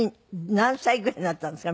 何歳ぐらいになったんですか？